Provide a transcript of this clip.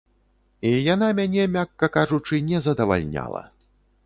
І яна мяне, мякка кажучы, не задавальняла.